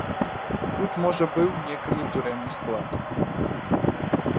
Тут, можа, быў некалі турэмны склад.